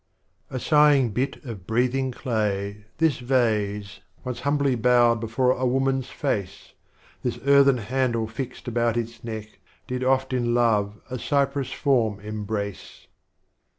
A sighing bit of Breathing Claj', this Vase, Once humbly bowed before a Woman's Face, This earthen Handle fixed about its Neck, Did oft in Love a Cypress Form embrace.